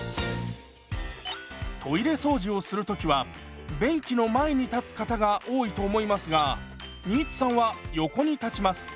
トイレ掃除をする時は便器の前に立つ方が多いと思いますが新津さんは横に立ちます。